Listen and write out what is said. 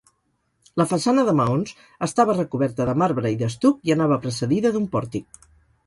La façana de maons estava recoberta de marbre i d'estuc i anava precedida d'un pòrtic.